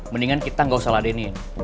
mendingan kita nggak usah ladenin